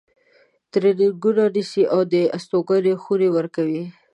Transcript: ترینینګونه نیسي او د استوګنې خونې ورکوي.